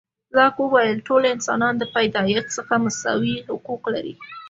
لاک وویل، ټول انسانان د پیدایښت څخه مساوي حقوق لري.